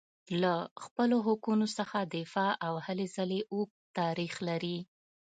له خپلو حقونو څخه دفاع او هلې ځلې اوږد تاریخ لري.